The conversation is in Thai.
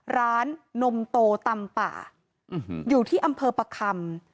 นมโตตำป่าอยู่ที่อำเภอประคำ